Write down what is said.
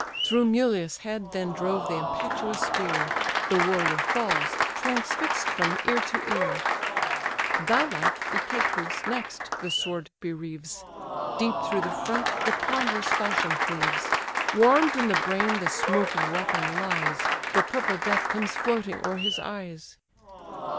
Through Mulius' head then drove the impetuous spear: The warrior falls, transfix'd from ear to ear. Thy life, Echeclus! next the sword bereaves, Deep though the front the ponderous falchion cleaves; Warm'd in the brain the smoking weapon lies, The purple death comes floating o'er his eyes.